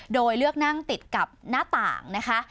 โดยเลือกนั่งติดกับหน้าต่างนะคะ